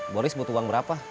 boris butuh uang berapa